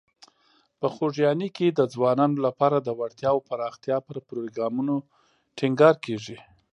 په خوږیاڼي کې د ځوانانو لپاره د وړتیاوو پراختیا پر پروګرامونو ټینګار کیږي.